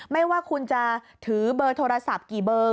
ไม่ว่าคุณจะถือเบอร์โทรศัพท์กี่เบอร์